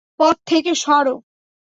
পথ থেকে সরো।